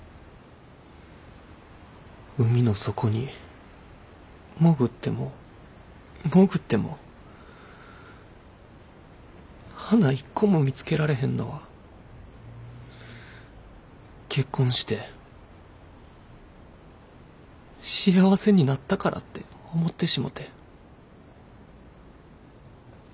海の底に潜っても潜っても花一個も見つけられへんのは結婚して幸せになったからって思ってしもて。